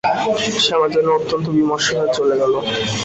শ্যামা যেন অত্যন্ত বিমর্ষ হয়ে চলে গেল।